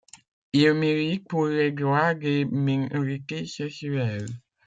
Il milite pour les droits des minorités sexuelles.